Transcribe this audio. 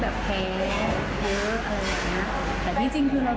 แล้วคนที่แปลจะเป็นแม่เขา